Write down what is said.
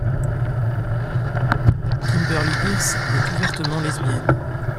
Kimberly Peirce est ouvertement lesbienne.